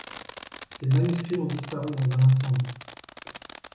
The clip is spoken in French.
Ses manuscrits ont disparu dans un incendie.